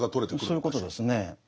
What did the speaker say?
そういうことですね。